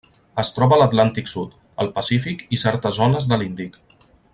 Es troba a l'Atlàntic sud, el Pacífic i certes zones de l'Índic.